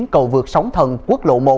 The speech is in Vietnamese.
cầu vượt sóng thần quốc lộ một